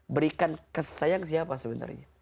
berikan kesayang siapa sebenarnya